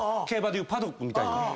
競馬でいうパドックみたいな。